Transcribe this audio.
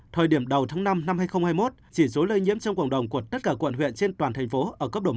thời điểm đầu tháng năm năm hai nghìn hai mươi một chỉ số lây nhiễm trong cộng đồng của tất cả quận huyện trên toàn thành phố ở cấp độ một